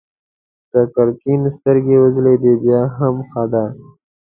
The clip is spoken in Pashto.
د ګرګين سترګې وځلېدې: بيا هم ښه ده.